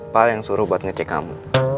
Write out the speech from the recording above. pak al yang suruh buat ngecek kamu